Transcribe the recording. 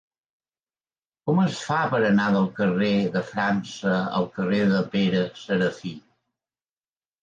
Com es fa per anar del carrer de França al carrer de Pere Serafí?